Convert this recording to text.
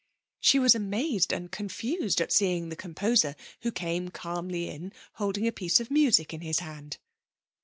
She was amazed and confused at seeing the composer, who came calmly in, holding a piece of music in his hand.